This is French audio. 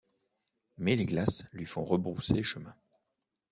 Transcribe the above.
Mais les glaces lui font rebrousser chemin.